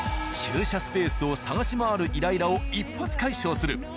駐車スペースを探し回るイライラを一発解消する。